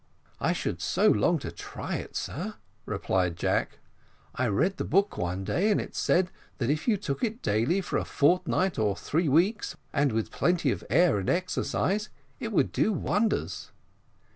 "I should so long to try it, sir," replied Jack; "I read the book one day, and it said that if you took it daily for a fortnight or three weeks, and with plenty of air and exercise, it would do wonders."